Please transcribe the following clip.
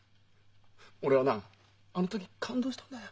俺はなあの時感動したんだよ。